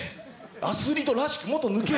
アスリートらしくもっと抜け。